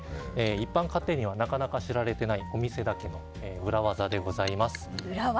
一般家庭にはなかなか知られてないお店だけの裏技でございます。